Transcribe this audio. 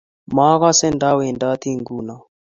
Makase ndawendotee nguno